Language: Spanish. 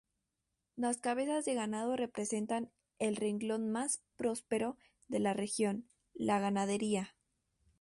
Las cabezas de ganado representan el renglón más próspero de la región, la ganadería.